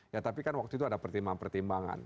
ya tapi kan waktu itu ada pertimbangan pertimbangan